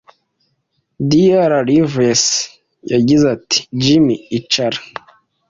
Dr. Livesey yagize ati: “Jim, icara.”